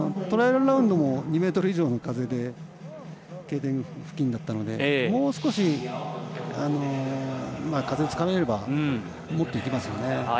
トライアルラウンドも２メートル以上の風でＫ点付近だったので、もう少し風、つかめればもっといきますよね。